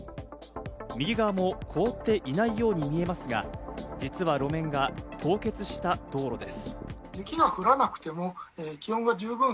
右側も凍っていないように見えますが、実は路面が凍結した道路です。